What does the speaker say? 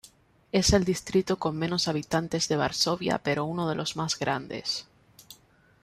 Es el distrito con menos habitantes de Varsovia pero uno de los más grandes.